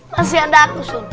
masih ada aku sun